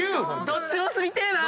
どっちも住みてえな。